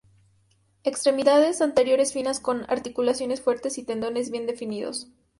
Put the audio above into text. Extremidades anteriores finas con articulaciones fuertes y tendones bien definidos.